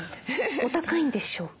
お高いんでしょう？